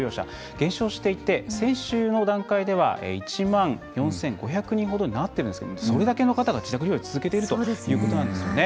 減少していて、先週の段階では１万４５００人ほどになってるんですけどもそれだけの方が自宅療養を続けているということなんですよね。